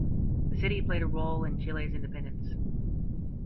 The city played a role in Chile's independence.